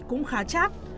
cũng khá chát